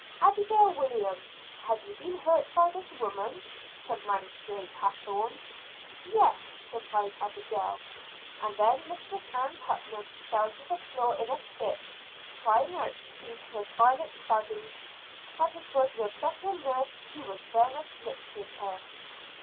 "Abigail Williams, have you been hurt by this woman?" said magistrate Hathorne. "Yes," replied Abigail. And then Mistress Ann Putnam fell to the floor in a fit; crying out between her violent spasms, that it was Rebecca Nurse who was then afflicting her.